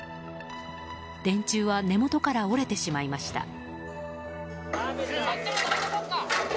電柱は根本から折れてしまいました。